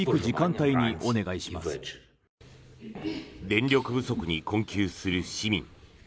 電力不足に困窮する市民。